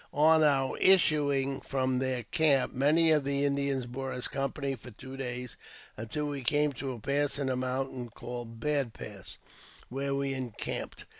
On our issuing from their camp, many of the Indians bore us company for two days, until we came to a pass in the mountains called Bad Pass, where we encamped.